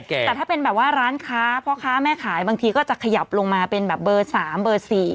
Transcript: แต่ถ้าเป็นแบบว่าร้านค้าพ่อค้าแม่ขายบางทีก็จะขยับลงมาเป็นแบบเบอร์๓เบอร์๔